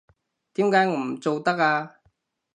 點解我唔做得啊？